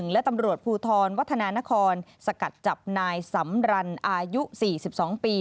และตำรวจภูทรวัฒนานครสกัดจับนายสำรันอายุ๔๒ปี